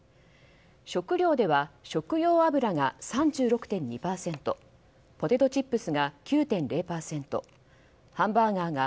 食料では食用油が３６．２％ポテトチップスが９．０％ハンバーガーが７．６％